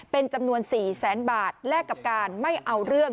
เป็นจำนวน๔แสนบาทแลกกับการไม่เอาเรื่อง